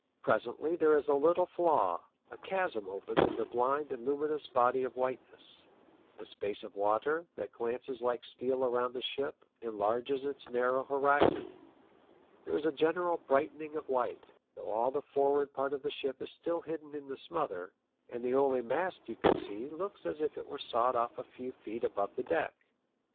Presently there is a little flaw, a chasm opens in the blind and luminous body of whiteness ; the space of water, that glances like steel around the ship, enlarges its narrow horizon ; there is a general brightening of light, though all the forward part of the ship is still hidden in the smother, and the only mast you can see looks as if it were sawed off a few., feet above the deck.